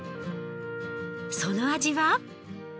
その味は？